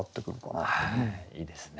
いいですね。